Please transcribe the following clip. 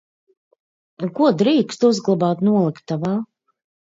Ko drīkst uzglabāt noliktavā?